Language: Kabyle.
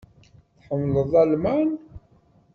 Tḥemmleḍ Lalman?